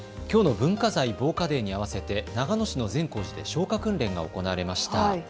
きょうの文化財防火デーに合わせて長野市の善光寺で消火訓練が行われました。